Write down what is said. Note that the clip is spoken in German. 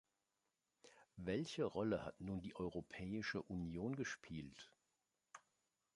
Welche Rolle hat nun die Europäische Union gespielt?